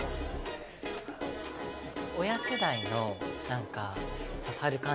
親世代のなんか刺さる感じ？